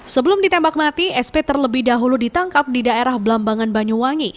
sebelum ditembak mati sp terlebih dahulu ditangkap di daerah belambangan banyuwangi